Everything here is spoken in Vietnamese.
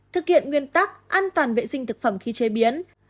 thực hiện nguyên tắc an toàn vệ sinh thực phẩm khi chế biến